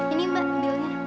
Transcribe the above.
ini mbak bilnya